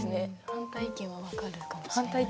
反対意見は分かるかもしれない。